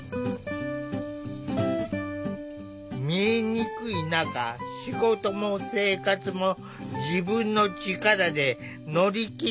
見えにくい中仕事も生活も自分の力で乗り切ってきた。